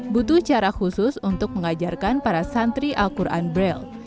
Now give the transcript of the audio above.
butuh cara khusus untuk mengajarkan para santri al quran braille